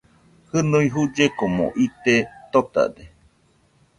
Jɨnui jullekomo ite totade